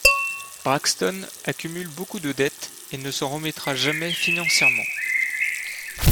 Braxton accumule beaucoup de dettes et ne s'en remettra jamais financièrement.